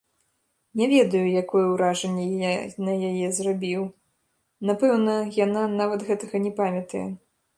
Не ведаю, якое ўражанне я на яе зрабіў, напэўна, яна нават гэтага не памятае.